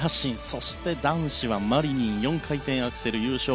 そして、男子はマリニン４回転アクセル、優勝。